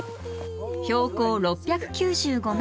標高６９５ｍ